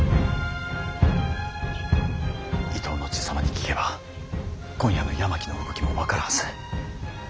伊東の爺様に聞けば今夜の山木の動きも分かるはず。